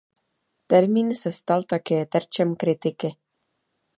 Termín se stal také terčem kritiky.